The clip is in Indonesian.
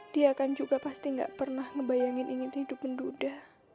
dia kan juga pasti gak pernah ngebayangin ingin hidup menduda